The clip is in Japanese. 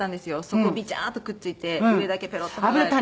底ビチャーッとくっついて上だけペロッと剥がれて。